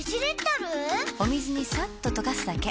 お水にさっと溶かすだけ。